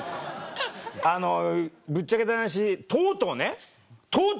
あのぶっちゃけた話とうとうねとうとうよ。